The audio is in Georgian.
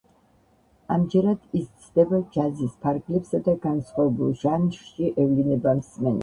ამჯერად ის სცდება ჯაზის ფარგლებსა და განსხვავებულ ჟანრში ევლინება მსმენელს.